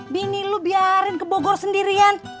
bini lo biarin ke bogor sendirian